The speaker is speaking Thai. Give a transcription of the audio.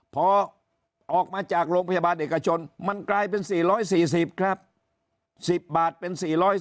พอออกมาจากโรงพยาบาลเอกชนมันกลายเป็น๔๔๐ครับ๑๐บาทเป็น๔๔๐